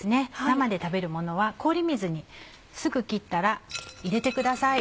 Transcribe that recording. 生で食べるものは氷水にすぐ切ったら入れてください。